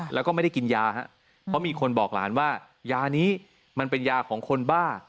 แล้วก็ไม่ได้กินยาครับเพราะมีคนบอกหลานว่ายานี้มันเป็นยาของคนบ้า